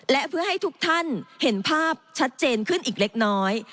และเพื่อให้ทุกท่านเห็นภาพชัดเจนขึ้นอีกเล็กน้อย